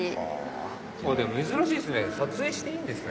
あっでも珍しいですね。